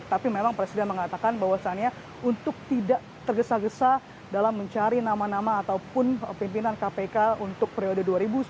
tapi memang presiden mengatakan bahwasannya untuk tidak tergesa gesa dalam mencari nama nama ataupun pimpinan kpk untuk periode dua ribu sembilan belas dua ribu dua puluh